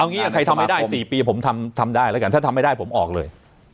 ใครทำไม่ได้๔ปีผมทำได้แล้วกันถ้าทำไม่ได้ผมออกเลย